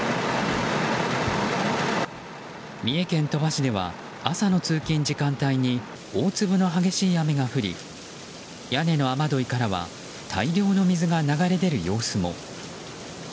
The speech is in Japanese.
三重県鳥羽市では朝の通勤時間帯に大粒の激しい雨が降り屋根の雨どいからは大量の水が流れ出る様子も。